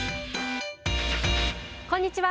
こんにちは。